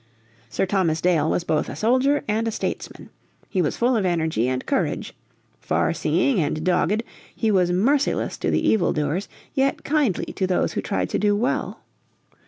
Sir Thomas Dale was both a soldier and a statesman. He was full of energy and courage. Far seeing and dogged, he was merciless to the evildoers, yet kindly to those who tried to do well.